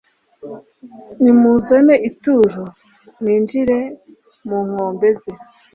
nimuzane ituro mwinjire mu ngombe ze